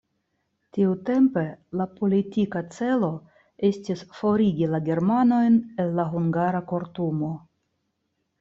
Tiutempe la politika celo estis forigi la germanojn el la hungara kortumo.